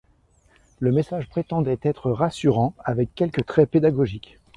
Le message prétendait être rassurant avec quelques traits pédagogiques.